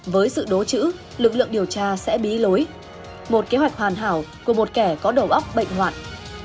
với sự đánh lạc hướng của chị bích hợp